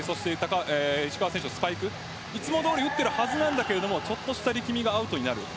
石川選手のスパイクいつもどおり打っているはずだけどちょっとした力みがアウトになる。